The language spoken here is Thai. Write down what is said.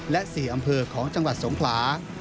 และ๔อำเภอของจังหวัดสงขลา